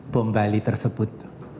bom bali tersebut